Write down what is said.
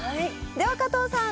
では加藤さん